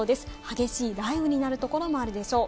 激しい雷雨になるところもあるでしょう。